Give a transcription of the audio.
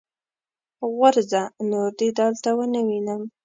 غورځه! نور دې دلته و نه وينم.